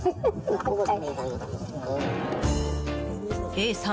Ａさん